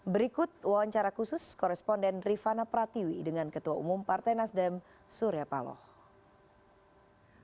berikut wawancara khusus koresponden rifana pratiwi dengan ketua umum partai nasdem surya paloh